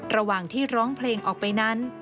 ระหว่างที่ร้องเพลงออกไปนั้น